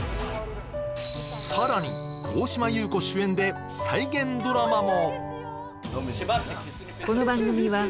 さらに大島優子主演で再現ドラマも！